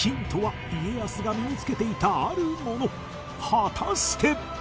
果たして